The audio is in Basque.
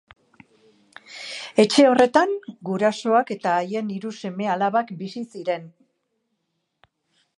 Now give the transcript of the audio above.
Etxe horretan gurasoak eta haien hiru seme-alabak bizi ziren.